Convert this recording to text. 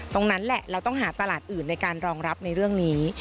ตรงนั้นแหละเราต้องหาตลาดอื่นในการรองรับในเรื่องนี้